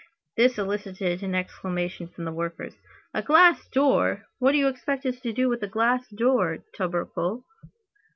This elicited an exclamation from the workers. "A glass door? what do you expect us to do with a glass door, tubercle?"